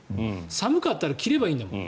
寒かったら着ればいいんだもん。